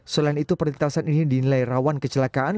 selain itu perlintasan ini dinilai rawan kecelakaan